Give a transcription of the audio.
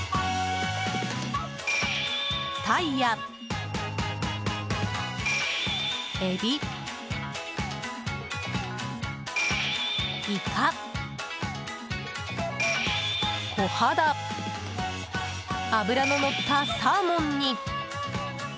タイや、エビ、イカ、コハダ脂ののったサーモンに。